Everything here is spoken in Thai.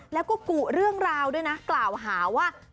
แล้วก็กุเรื่องราวด้วยนะกล่าวหาว่า